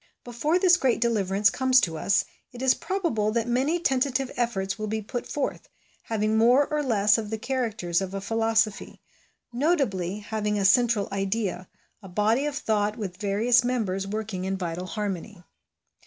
Before this great deliverance comes to us it is probable that many tentative efforts will be put forth, having more or less of the characters of a philosophy ; notably, having a central idea, a body of thought with various members working in vital harmony.